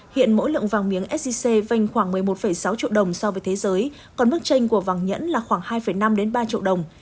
hiện mỗi lượng vàng miếng sgc vanh khoảng một mươi một sáu triệu đồng so với thế giới còn mức tranh của vàng nhẫn là khoảng hai năm ba triệu đồng